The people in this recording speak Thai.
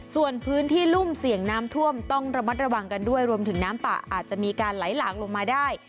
ส่วนพื้นที่รุ่มเสี่ยงน้ำท่วมต้องระมัดระวังกันด้วยรวมถึงน้ำป่าอาจจะมีการไหลหลากลงมาได้